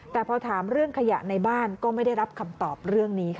แต่พอถามเรื่องขยะในบ้านก็ไม่ได้รับคำตอบเรื่องนี้ค่ะ